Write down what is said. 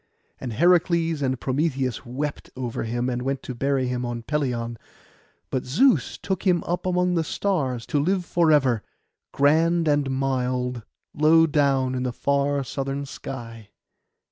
And Heracles and Prometheus wept over him, and went to bury him on Pelion; but Zeus took him up among the stars, to live for ever, grand and mild, low down in the far southern sky.